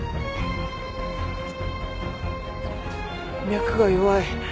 脈が弱い。